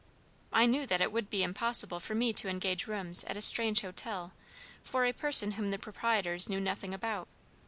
I knew that it would be impossible for me to engage rooms at a strange hotel for a person whom the proprietors knew nothing about.